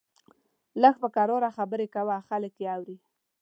لږ په کرار خبرې کوه، خلک يې اوري!